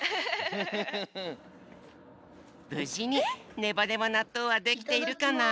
ぶじにネバネバなっとうはできているかな？